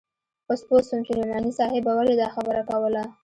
اوس پوه سوم چې نعماني صاحب به ولې دا خبره کوله.